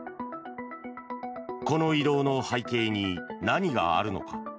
この異動の背景に何があるのか。